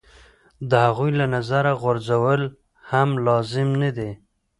د هغوی له نظره غورځول هم لازم نه دي.